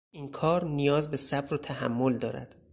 این کار نیاز به صبر و تحمل دارد.